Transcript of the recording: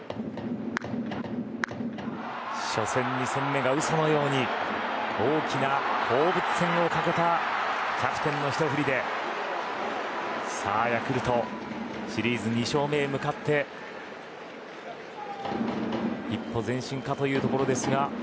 初戦、２戦目がうそのように大きな放物線をかけたキャプテンの一振りでさあヤクルトシリーズ２勝目へ向かって一歩前進かというところですが。